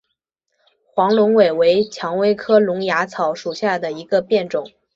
黄龙尾为蔷薇科龙芽草属下的一个变种。